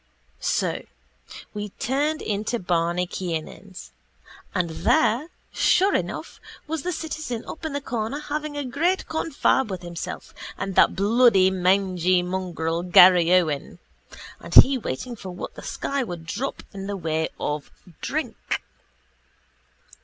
So we turned into Barney Kiernan's and there, sure enough, was the citizen up in the corner having a great confab with himself and that bloody mangy mongrel, Garryowen, and he waiting for what the sky would drop in the way of drink.